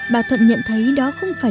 bà thuận nhận thấy đó không phải